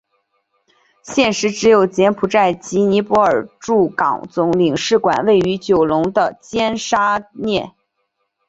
现时只有柬埔寨及尼泊尔驻港总领事馆位于九龙的尖沙咀。